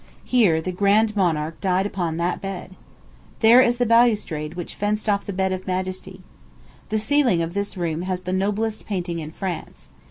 Here the grand monarch died upon that bed. There is the balustrade which fenced off the bed of majesty. The ceiling of this room has the noblest painting in France.